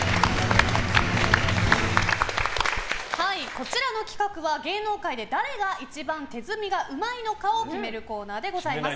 こちらの企画は、芸能界で誰が一番手積みがうまいのかを決めるコーナーでございます。